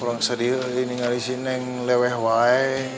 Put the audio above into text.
orang sedih ini ngarisin neng leweh leweh